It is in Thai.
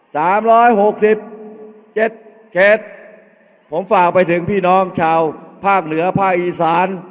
สามร้อยหกสิบเจ็ดเขตผมฝากไปถึงพี่น้องชาวภาคเหนือภาคอีสาน